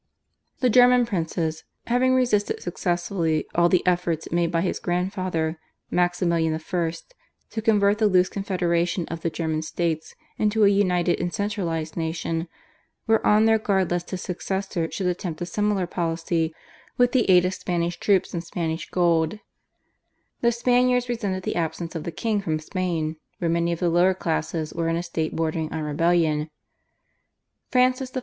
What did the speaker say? The German princes, having resisted successfully all the efforts made by his grandfather, Maximilian I., to convert the loose confederation of the German States into a united and centralised nation, were on their guard lest his successor should attempt a similar policy with the aid of Spanish troops and Spanish gold; the Spaniards resented the absence of the king from Spain, where many of the lower classes were in a state bordering on rebellion; Francis I.